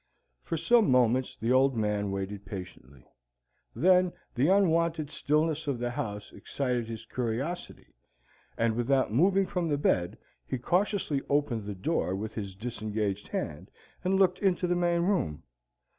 For some moments the Old Man waited patiently. Then the unwonted stillness of the house excited his curiosity, and without moving from the bed, he cautiously opened the door with his disengaged hand, and looked into the main room.